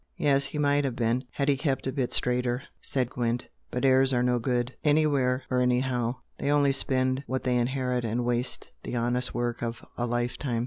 "Yes, he might have been, had he kept a bit straighter" said Gwent "But heirs are no good anywhere or anyhow. They only spend what they inherit and waste the honest work of a life time.